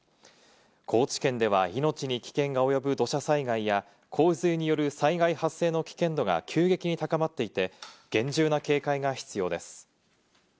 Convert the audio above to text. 高知県では命に危険が及ぶ土砂災害や洪水による災害発生の危険度が急激に高まっていて厳重な警戒が必要です。